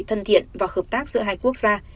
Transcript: thân thiện và hợp tác giữa hai quốc gia